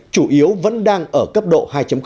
chủ yếu vẫn đang ở cấp độ hai